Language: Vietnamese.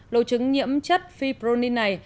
lô trứng nhiễm chất fipronil này